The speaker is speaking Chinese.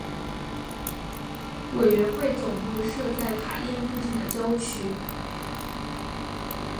委员会总部设在卡宴附近的郊区。